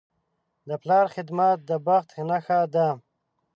د پلار خدمت د بخت نښه ده.